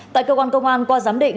tại cơ quan công an qua giám định